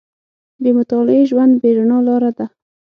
• بې مطالعې ژوند، بې رڼا لاره ده.